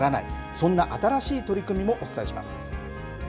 そんな新しい取り組みもお伝えします。